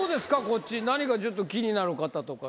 こっち何かちょっと気になる方とか。